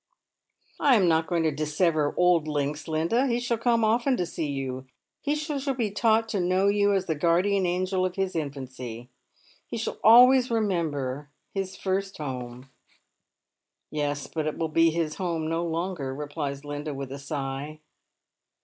" I am not going to dissever old links, Linda. He shall come »ften to see you. He shall be taught to know you as the guardian angel of his infancy ; he shall always remember his first home." " Yes, but it will be his home no longer," replies Linda, with a sigh.